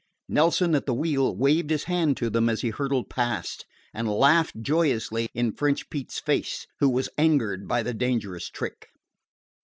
Nelson, at the wheel, waved his hand to them as he hurtled past, and laughed joyously in French Pete's face, who was angered by the dangerous trick.